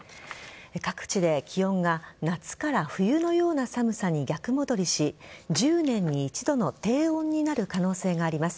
各地で気温が夏から冬のような寒さに逆戻りし１０年に一度の低温になる可能性があります。